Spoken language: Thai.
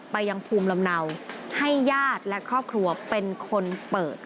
ยังภูมิลำเนาให้ญาติและครอบครัวเป็นคนเปิด